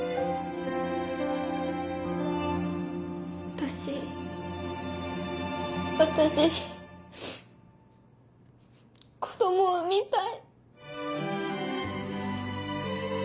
私私子供産みたい。